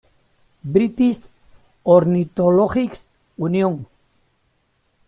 British Ornithologists' Union.